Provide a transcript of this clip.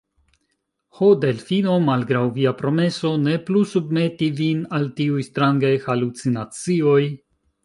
Ho, Delfino, malgraŭ via promeso, ne plu submeti vin al tiuj strangaj halucinacioj?